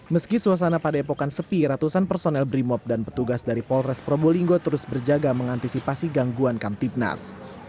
meski suasana padepokan sepi ratusan personel brimop dan petugas dari polres probolinggo terus berjaga mengantisipasi gangguan kamtipnas